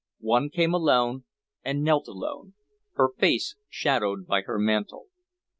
One came alone and knelt alone, her face shadowed by her mantle.